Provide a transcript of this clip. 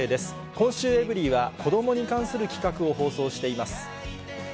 今週、エブリィは子どもに関する企画を放送しています。